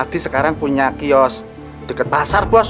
randy sekarang punya kiosk dekat pasar bos